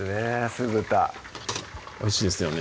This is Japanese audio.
酢豚おいしいですよね